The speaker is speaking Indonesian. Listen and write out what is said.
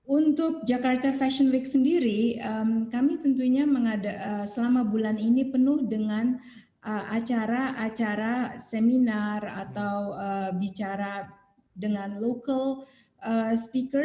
untuk jakarta fashion week sendiri kami tentunya selama bulan ini penuh dengan acara acara seminar atau bicara dengan local speaker